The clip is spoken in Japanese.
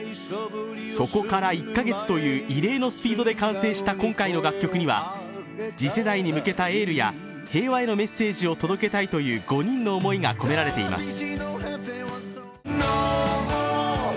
そこから１カ月という異例のスピードで完成した今回の楽曲には次世代に向けたエールや平和へのメッセージを届けたいという５人の思いが込められています。